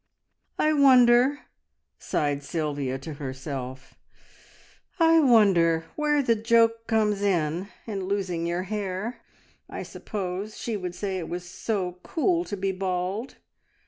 "I wonder," sighed Sylvia to herself, "I wonder where the joke comes in in losing your hair. I suppose she would say it was so cool to be bald!"